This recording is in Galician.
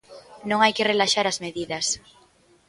Non hai que relaxar as medidas.